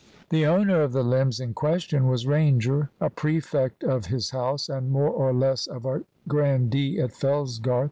The owner of the limbs in question was Ranger, a prefect of his house and more or less of a grandee at Fellsgarth.